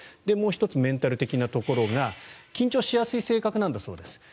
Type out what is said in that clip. もう１つメンタル的なところが緊張しやすい性格なんだそうです。